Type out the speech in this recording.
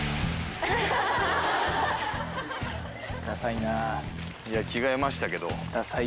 いや着替えましたけど。